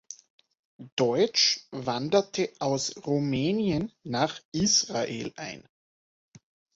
Deutsch wanderte aus Rumänien nach Israel ein.